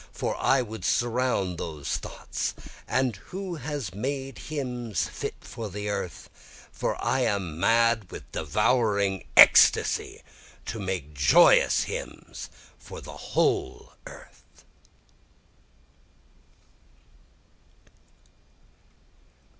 for I would surround those thoughts, And who has made hymns fit for the earth? for I am mad with devouring ecstasy to make joyous hymns for the whole earth.